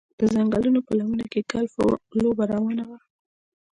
د ځنګلونو په لمنه کې ګلف لوبه روانه وه